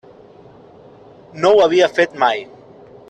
No ho havia fet mai.